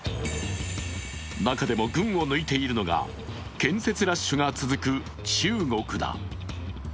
中でも群を抜いているのが建設ラッシュが続く中国だ。